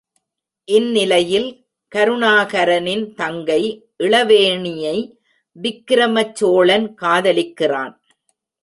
இந்நிலையில் கருணாகரனின் தங்கை இளவேணியை விக்கிரமச் சோழன் காதலிக்கிறான்.